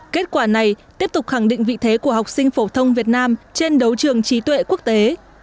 kết quả này tiếp tục khẳng định vị thế của học sinh phổ thông việt nam trên đấu trường trí tuệ quốc tế